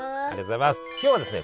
今日はですね